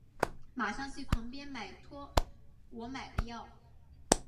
马上去旁边买托我买的药